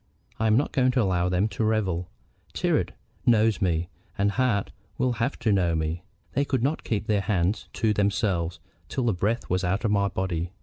I am not going to allow them to revel. Tyrrwhit knows me, and Hart will have to know me. They could not keep their hands to themselves till the breath was out of my body.